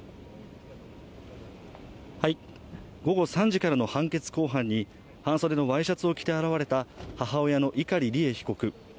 午後３時からの判決公判に半袖のワイシャツを着て現れた母親の碇利恵被告。